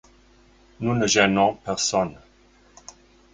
Nous ne gênons personne...